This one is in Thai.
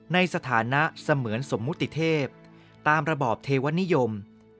สถานะเสมือนสมมุติเทพตามระบอบเทวนิยม